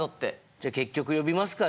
じゃあ結局呼びますか。